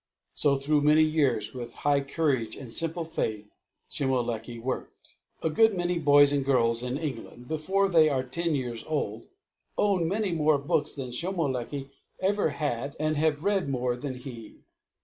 So through many years, with high courage and simple faith, Shomolekae worked. A good many boys and girls in England before they are ten years old own many more books than Shomolekae ever had and have read more than he.